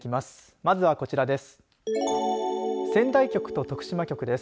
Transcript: まずはこちらです。